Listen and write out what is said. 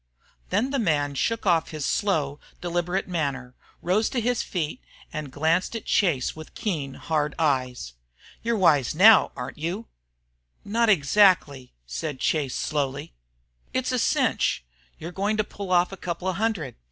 Then the man shook off his slow, deliberate manner, rose to his feet, and glanced at Chase with keen, hard eyes. "You're wise now, aren't you?" "Not exactly," said Chase, slowly. "It's a cinch. You're going to pull off a couple of hundred.